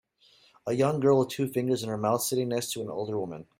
A young girl with two fingers in her mouth sitting next to an older woman.